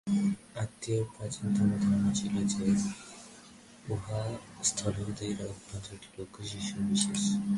আত্মার প্রাচীনতম ধারণা ছিল এই যে, উহা স্থূলদেহের অভ্যন্তরে একটি সূক্ষ্ম শরীর- বিশেষ।